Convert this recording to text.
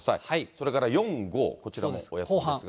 それから４、５、こちらもお休みですが。